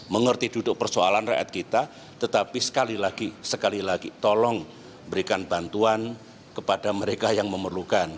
mengerti duduk persoalan rakyat kita tetapi sekali lagi sekali lagi tolong berikan bantuan kepada mereka yang memerlukan